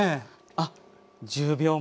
あっ１０秒前。